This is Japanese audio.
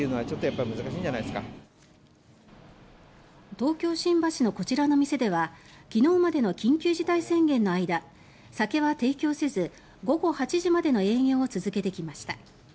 東京・新橋のこちらの店では昨日までの緊急事態宣言の間酒は提供せず午後８時までの営業を続けてきました。